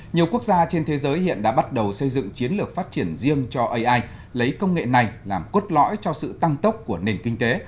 nhiều quốc gia trên thế giới hiện đã bắt đầu xây dựng chiến lược phát triển riêng cho ai lấy công nghệ này làm cốt lõi cho sự tăng tốc của nền kinh tế